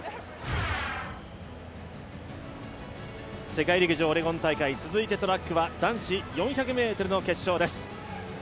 世界陸上オレゴン大会、続いてトラックは男子４００ｍの決勝です。